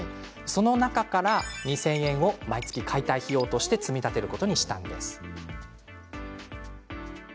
その中から２０００円を毎月、解体費用として積み立てることにしたのです。